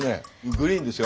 グリーンですよ。